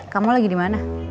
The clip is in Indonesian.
kamu lagi dimana